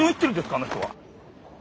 あの人は。